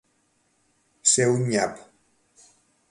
Ser un nyap.